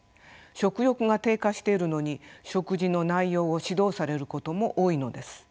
食欲が低下してるのに食事の内容を指導されることも多いのです。